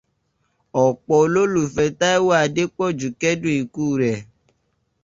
Ọ̀pọ̀ olólùfẹ́ Táíwò Adépọ̀jù kẹ́dùn ikú rẹ̀.